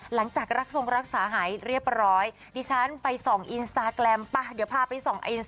หลังจากรักทรงรักษาหายเรียบร้อยดิฉันไปส่องป่ะเดี๋ยวพาไปส่อง